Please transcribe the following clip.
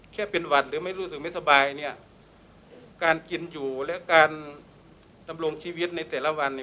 แค่เป็นหวัดหรือไม่รู้สึกไม่สบายการกินอยู่และการดำรงชีวิตในแต่ละวัน